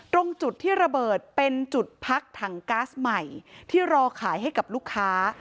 ตรงจุดที่ระเบิดเป็นจุดพักถังก๊าซใหม่ที่รอขายให้กับลูกค้า